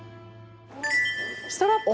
ストラップ。